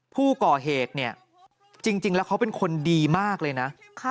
ผู้ก่อเหตุเนี่ยจริงแล้วเขาเป็นคนดีมากเลยนะ